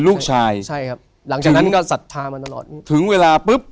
ลูกชายใช่ครับหลังจากนั้นก็ศรัทธามาตลอดถึงเวลาปุ๊บ